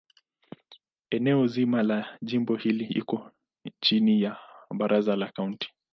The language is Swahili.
Eneo zima la jimbo hili liko chini ya Baraza la Kaunti.